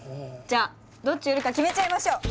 じゃあどっち売るか決めちゃいましょう！